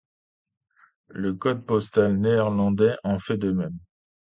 Le code postal néerlandais en fait de même.